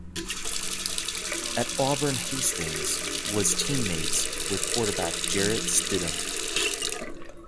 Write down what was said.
At Auburn Hastings was teammates with quarterback Jarrett Stidham.